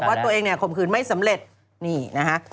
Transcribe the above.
บอกว่าตัวเองข่มขืนไม่สำเร็จนี่นะฮะ